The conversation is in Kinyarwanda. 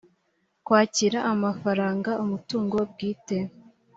kwakira amafaranga umutungo bwit